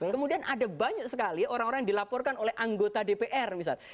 kemudian ada banyak sekali orang orang yang dilaporkan oleh anggota dpr misalnya